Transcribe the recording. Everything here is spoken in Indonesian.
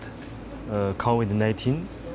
dengan kepentingan masyarakat kita di g dua puluh